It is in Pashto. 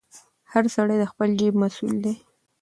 هر سړی د خپل جیب مسوول دی.